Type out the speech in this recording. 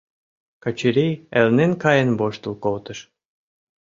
— Качырий элнен каен воштыл колтыш.